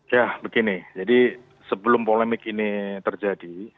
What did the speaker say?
ya begini jadi sebelum polemik ini terjadi